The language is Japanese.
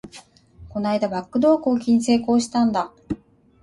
この間、バックドア攻撃に成功したんだ